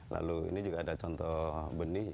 lalu ini juga ada contoh benih